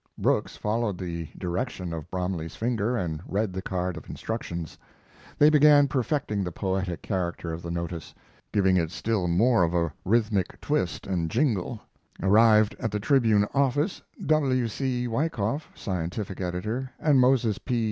Brooks followed the direction of Bromley's finger and read the card of instructions. They began perfecting the poetic character of the notice, giving it still more of a rhythmic twist and jingle; arrived at the Tribune office, W. C. Wyckoff, scientific editor, and Moses P.